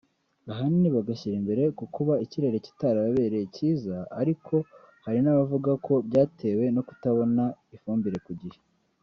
ahanini bagashyira imbere kukuba ikirere kitarababereye cyiza ariko hari n’abavuga ko byatewe no kutabona ifumbire ku gihe